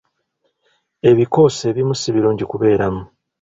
Ebikoosi ebimu si birungi kubeeramu.